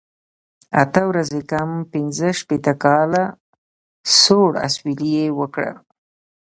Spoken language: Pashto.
اته ورځې کم پنځه شپېته کاله، سوړ اسویلی یې وکړ.